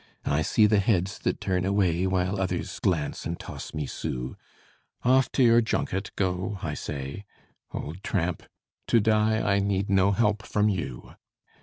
I see the heads that turn away, While others glance and toss me sous: "Off to your junket! go!" I say: Old tramp, to die I need no help from you.